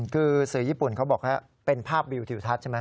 คือสื่อญี่ปุ่นเขาบอกว่าเป็นภาพวิวทิวทัศน์ใช่ไหม